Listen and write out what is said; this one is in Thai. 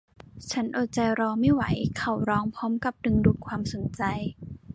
ฉันอดใจรอไม่ไหวเขาร้องพร้อมกับดึงดูดความสนใจ